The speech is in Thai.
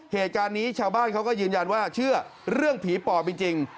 เหตุการณ์นี้ชาวบ้านเขาก็ยืนยันว่าเชื่อเรื่องผีปอบจริง